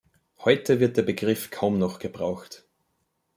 Heute wird der Begriff kaum noch gebraucht.